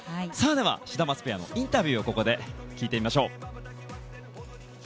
ではシダマツペアのインタビューをここで聞いてみましょう。